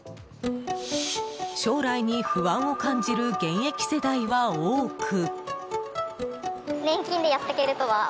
将来に不安を感じる現役世代は多く。